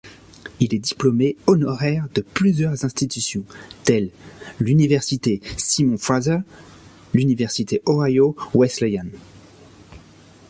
Il est diplômé honoraire de plusieurs institutions, telles l'université Simon-Fraser, l'université Ohio Wesleyan.